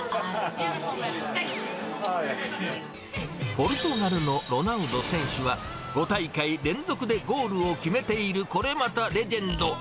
ポルトガルのロナウド選手は、５大会連続でゴールを決めている、これまたレジェンド。